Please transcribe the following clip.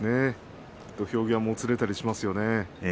土俵際もつれたりしますね。